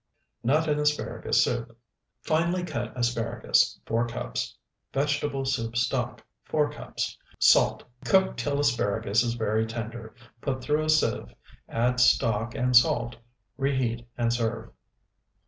NUT AND ASPARAGUS SOUP Finely cut asparagus, 4 cups. Vegetable soup stock, 4 cups. Salt. Cook till asparagus is very tender; put through a sieve; add stock and salt; reheat, and serve.